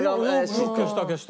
よく消した消した。